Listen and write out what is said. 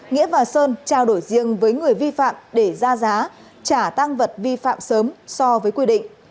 nghĩa và sơn trao đổi riêng với người vi phạm để ra giá trả tăng vật vi phạm sớm so với quy định